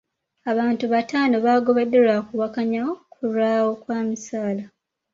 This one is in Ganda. Abantu bataano baagobeddwa lwa kuwakanya kulwawo kwa misaala.